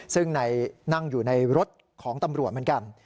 ซึ่งนั่งอยู่ในรถของตำรวจเหมือนกัน